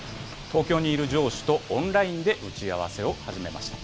東京にいる上司とオンラインで打ち合わせを始めました。